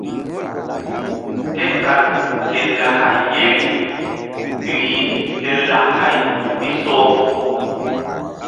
Ke kal ke gay hay ye ri rih ke lak hay mi soh.